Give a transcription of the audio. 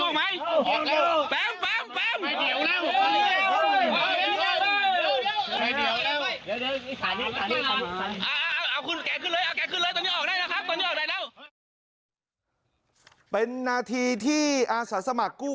เดี๋ยวให้ให้นะครับตอนนี้เป็นนาทีที่อาสาสมัครกู้